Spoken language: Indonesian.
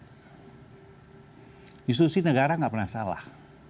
institusi negara nggak pernah salah